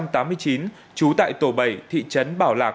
trú tại tổ bảy thị trấn bảo lạc